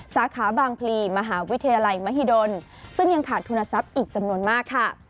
สาขาบางพลีมหาวิทยาลัยมหิดลซึ่งยังขาดทุนทรัพย์อีกจำนวนมากค่ะ